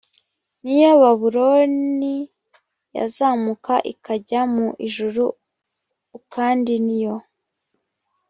niyo babuloni yazamuka ikajya mu ijuru u kandi niyo